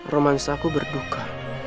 romansa aku berduka